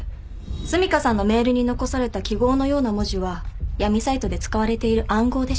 澄香さんのメールに残された記号のような文字は闇サイトで使われている暗号でした。